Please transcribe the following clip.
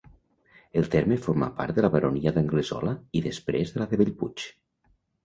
El terme formà part de la baronia d'Anglesola i després de la de Bellpuig.